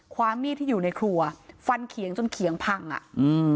ความมีดที่อยู่ในครัวฟันเขียงจนเขียงพังอ่ะอืม